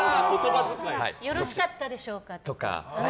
よろしかったでしょうかとか。